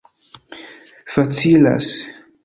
facilas